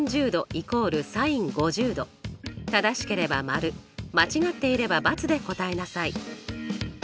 正しければ○間違っていれば×で答えなさい。